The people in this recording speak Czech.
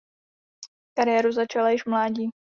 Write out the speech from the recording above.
Kariéru začala již v mládí.